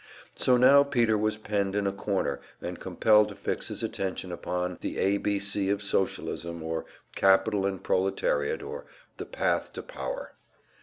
So now Peter was penned in a corner and compelled to fix his attention upon "The A. B. C. of Socialism," or "Capital and Proletariat," or "The Path to Power."